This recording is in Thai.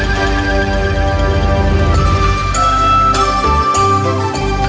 โชว์สี่ภาคจากอัลคาซ่าครับ